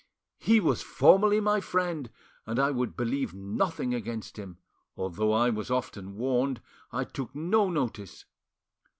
He was formerly my friend, and I would believe nothing against him; although I was often warned, I took no notice.